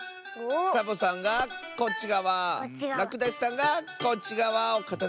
サボさんがこっちがわらくだしさんがこっちがわをかたづけるんだね。